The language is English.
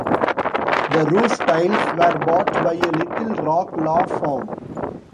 The roof tiles were bought by a Little Rock law firm.